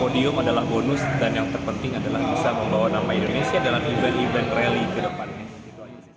podium adalah bonus dan yang terpenting adalah bisa membawa nama indonesia dalam event event rally ke depannya itu aja sih